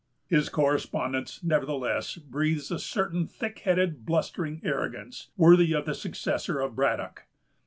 His correspondence, nevertheless, breathes a certain thick headed, blustering arrogance, worthy of the successor of Braddock.